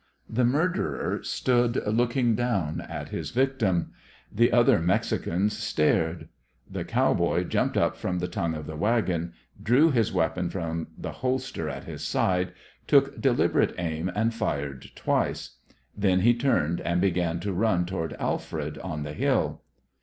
The murderer stood looking down at his victim. The other Mexicans stared. The cowboy jumped up from the tongue of the wagon, drew his weapon from the holster at his side, took deliberate aim, and fired twice. Then he turned and began to run toward Alfred on the hill.